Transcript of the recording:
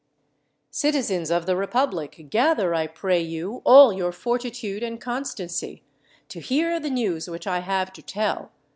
"Citizens of the republic, gather, I pray you, all your fortitude and constancy, to hear the news which I have to tell.